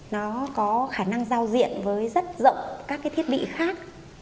nó có khả năng giao diện với rất rộng các cái thiết bị khác